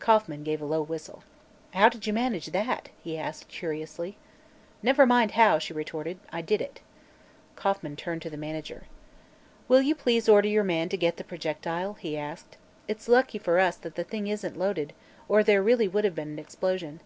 Kauffman gave a low whistle. "How did you manage that?" he asked curiously. "Never mind how," she retorted; "I did it." Kauffman turned to the manager. "Will you please order your man to get the projectile?" he asked. "It is lucky for us all that the thing isn't loaded, or there really would have been an explosion."